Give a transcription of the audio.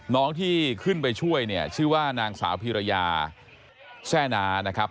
น้องที่ขึ้นไปช่วยเนี่ยชื่อว่านางสาวพิรยาแซ่นานะครับ